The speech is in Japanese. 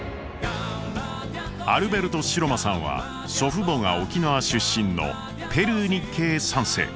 アルベルト城間さんは祖父母が沖縄出身のペルー日系３世。